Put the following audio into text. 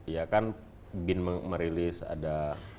ya kan bin merilis ada